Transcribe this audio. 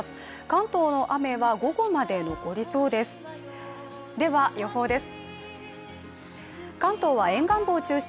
関東の雨は午後まで残りそうです。